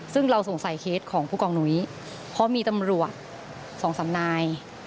ซึ่งเราสงสัยเคสของผู้กองหนุ้ยเพราะมีตำรวจ๒๓นาย